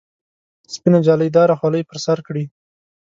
سپینه جالۍ داره خولۍ پر سر کړي.